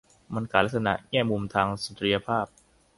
มันขาดลักษณะแง่มุมทางสุนทรียภาพ